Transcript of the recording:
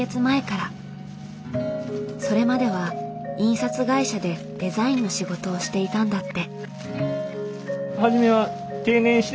それまでは印刷会社でデザインの仕事をしていたんだって。